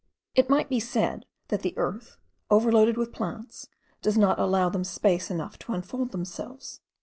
It might be said that the earth, overloaded with plants, does not allow them space enough to unfold themselves.